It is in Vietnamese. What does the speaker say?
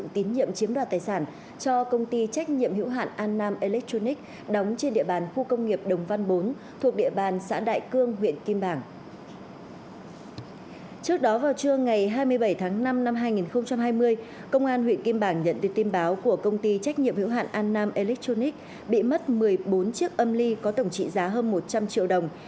trước đó vào trưa ngày hai mươi bảy tháng năm năm hai nghìn hai mươi công an huyện kim bảng nhận được tin báo của công ty trách nhiệm hữu hạn an nam electronics bị mất một mươi bốn chiếc âm ly có tổng trị giá hơn một trăm linh triệu đồng